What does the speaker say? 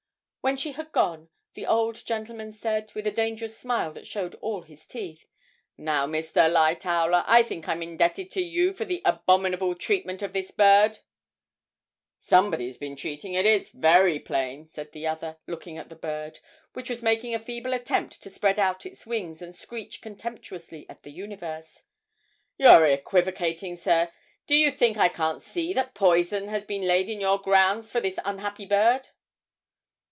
When she had gone, the old gentleman said, with a dangerous smile that showed all his teeth, 'Now, Mr. Lightowler, I think I'm indebted to you for the abominable treatment of this bird?' 'Somebody's been treating it, it's very plain,' said the other, looking at the bird, which was making a feeble attempt to spread out its wings and screech contemptuously at the universe. 'You're equivocating, sir; do you think I can't see that poison has been laid in your grounds for this unhappy bird?'